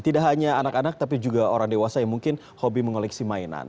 tidak hanya anak anak tapi juga orang dewasa yang mungkin hobi mengoleksi mainan